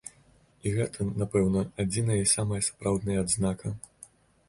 І гэта, напэўна, адзіная і самая сапраўдная адзнака.